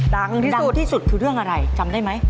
ดังที่สุดดังที่สุดคือเรื่องอะไรจำได้ไหม